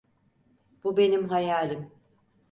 Bu benim hayalim.